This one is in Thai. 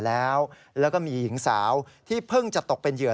ถ้าหญิงสาวผึ้งจะจะตกเป็นเหยื่อ